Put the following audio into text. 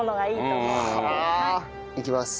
いきます。